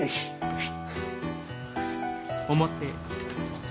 はい。